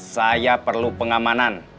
saya perlu pengamanan